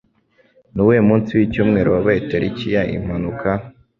Nuwuhe munsi Wicyumweru Wabaye Tariki ya Impanuka?